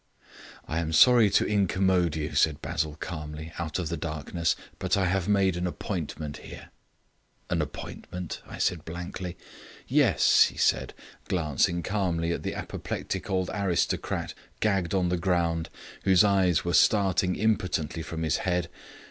"I am sorry to incommode you," said Basil calmly out of the darkness; "but I have made an appointment here." "An appointment!" I said blankly. "Yes," he said, glancing calmly at the apoplectic old aristocrat gagged on the ground, whose eyes were starting impotently from his head.